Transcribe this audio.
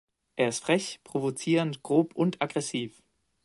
Er ist frech, provozierend, grob und aggressiv.